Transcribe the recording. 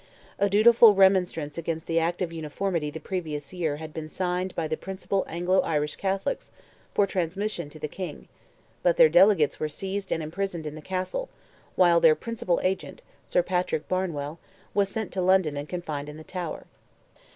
A dutiful remonstrance against the Act of Uniformity the previous year had been signed by the principal Anglo Irish Catholics for transmission to the King, but their delegates were seized and imprisoned in the Castle, while their principal agent, Sir Patrick Barnwell, was sent to London and confined in the Tower.